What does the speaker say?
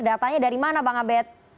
datanya dari mana bang abed